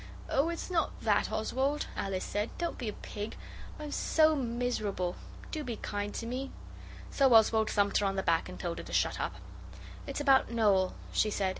'Oh, it's not that, Oswald,' Alice said. 'Don't be a pig! I am so miserable. Do be kind to me.' So Oswald thumped her on the back and told her to shut up. 'It's about Noel,' she said.